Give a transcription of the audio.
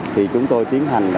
thì chúng tôi tiến hành